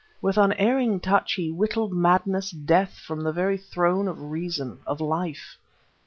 With unerring touch he whittled madness, death, from the very throne of reason, of life.